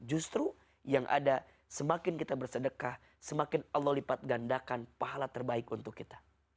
justru yang ada semakin kita bersedekah semakin allah lipat gandakan pahala terbaik untuk kita